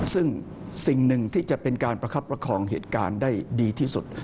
ซึ่งสิ่งหนึ่งที่จะเป็นการประคับประคองเหตุการณ์ได้ดีที่สุด